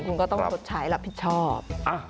คุณก็ต้องชดใช้รับผิดชอบ